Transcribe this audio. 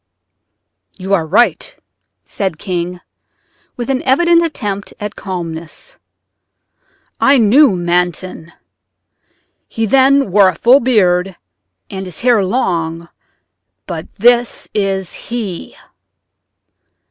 "You are right," said King, with an evident attempt at calmness: "I knew Manton. He then wore a full beard and his hair long, but this is he."